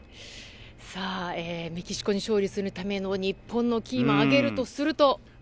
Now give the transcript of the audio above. メキシコに勝利するための日本のキーマン挙げるとすると？